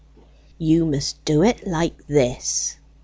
"You must do it like this."